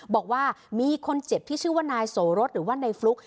บอกว่ามีคนเจ็บที่ชื่อนายโสฬนะธิร์สหรือว่าในฝรก